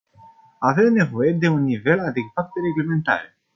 Avem nevoie de un nivel adecvat de reglementare.